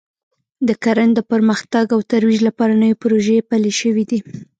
د کرنې د پرمختګ او ترویج لپاره نوې پروژې پلې شوې دي